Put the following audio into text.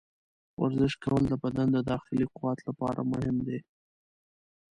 ورزش کول د بدن د داخلي قوت لپاره مهم دي.